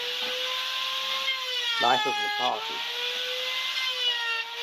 "Life of the Party".